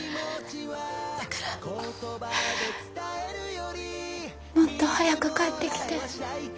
だからもっと早く帰ってきて。